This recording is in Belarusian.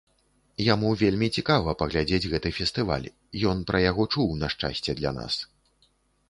Яму вельмі цікава паглядзець гэты фестываль, ён пра яго чуў, на шчасце для нас.